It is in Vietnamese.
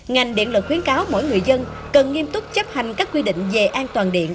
ngành điện lực khuyến cáo mỗi người dân cần nghiêm túc chấp hành các quy định về an toàn điện